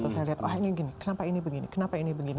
saya lihat wah ini gini kenapa ini begini kenapa ini begini